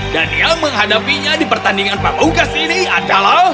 dan yang menghadapinya di pertandingan pabungkas ini adalah